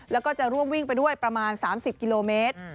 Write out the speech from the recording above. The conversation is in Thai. แล้วก็จะร่วมวิ่งไปด้วยประมาณ๓๐กิโลเมตร